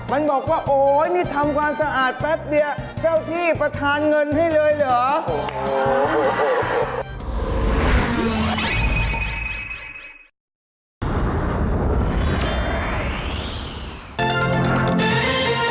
มันบอกว่าโอ๊ยนี่ทำความสะอาดแป๊บเดียวเจ้าที่ประธานเงินให้เลยเหรอ